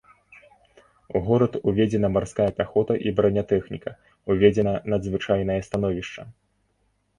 У горад уведзена марская пяхота і бранятэхніка, уведзена надзвычайнае становішча.